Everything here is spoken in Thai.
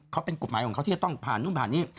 เขาเป็นกฎหมายของเขาที่จะต้องผ่านนู่นผ่านนี่